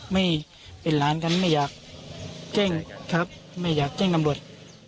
ไม่เป็นหลานกันไม่อยากเจ้งกำรวจ